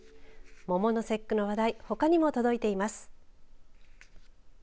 桃の節句の話題ほかにも届いています。